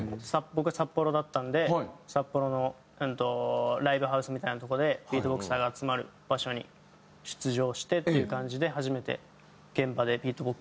僕は札幌だったんで札幌のライブハウスみたいなとこでビートボクサーが集まる場所に出場してっていう感じではあ！